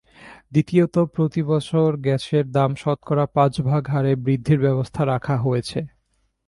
দ্বিতীয়ত, প্রতিবছর গ্যাসের দাম শতকরা পাঁচ ভাগ হারে বৃদ্ধির ব্যবস্থা রাখা হয়েছে।